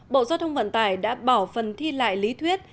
bộ giao thông vận tải đã bỏ phần thi lại lý thuyết